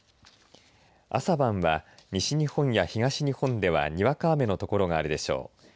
朝晩は西日本や東日本ではにわか雨の所があるでしょう。